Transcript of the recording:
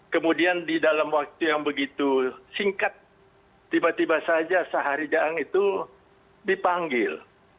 kemudian di dalam waktu yang begitu singkat tiba tiba saja syahari jaang itu dipanggil